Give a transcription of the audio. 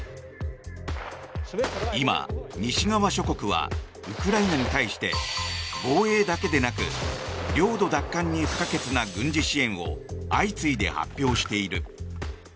今、西側諸国はウクライナに対して防衛だけでなく領土奪還に不可欠な軍事支援を相次いで発表している。